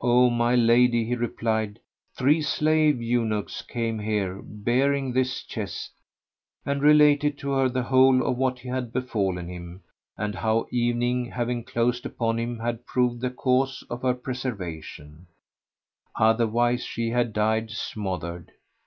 "O my lady," he replied, "three slave eunuchs came here bearing this chest;" and related to her the whole of what had befallen him, and how evening having closed upon him had proved the cause of her preservation, otherwise she had died smothered.